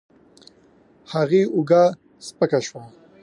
هغې اوږه سپکه شوه.